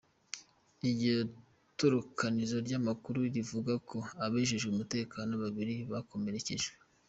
Iryo tororokanirizo ry'amakuru rivuga ko abajejwe umutekano babiri bakomeretse.